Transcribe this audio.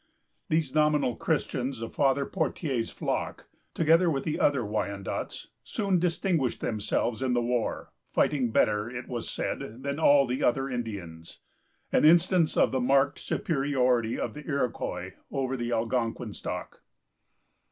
These nominal Christians of Father Pothier's flock, together with the other Wyandots, soon distinguished themselves in the war; fighting better, it was said, than all the other Indians,——an instance of the marked superiority of the Iroquois over the Algonquin stock.